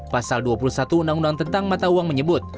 pasal dua puluh satu undang undang tentang mata uang menyebut